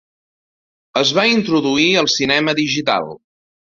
Es va introduir el cinema digital.